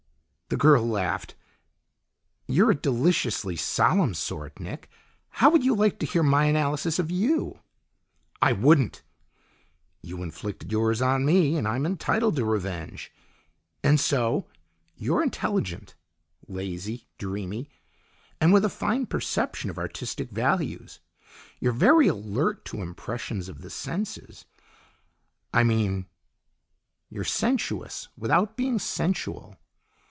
The girl laughed. "You're a deliciously solemn sort, Nick. How would you like to hear my analysis of you?" "I wouldn't!" "You inflicted yours on me, and I'm entitled to revenge. And so you're intelligent, lazy, dreamy, and with a fine perception of artistic values. You're very alert to impressions of the senses I mean you're sensuous without being sensual.